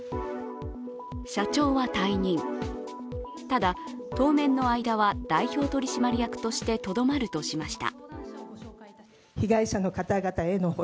社長は退任、ただ、当面の間は代表取締役としてとどまるとしました。